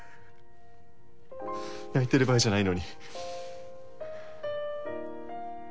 泣いてる場合じゃないのに。